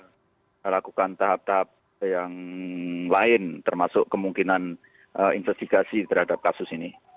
kita lakukan tahap tahap yang lain termasuk kemungkinan investigasi terhadap kasus ini